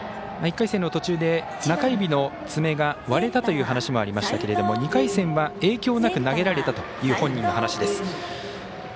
１回戦の途中で中指の爪が割れたという話もありましたけれども２回戦は影響なく投げられたという本人の話です。